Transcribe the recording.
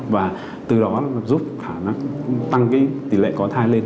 và từ đó giúp tăng tỷ lệ có thai lên